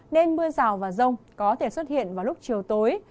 nên mưa rào và rông có thể xuất hiện vào lúc chiều tối